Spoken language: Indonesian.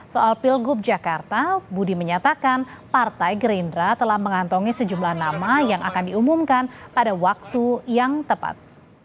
soal pilgub jakarta budi menyatakan partai gerindra telah mengantongi sejumlah nama yang akan diumumkan pada waktu yang tepat